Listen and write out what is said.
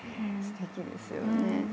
すてきですよね。